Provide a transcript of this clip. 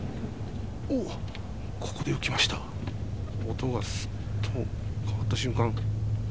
音がスッと変わった瞬間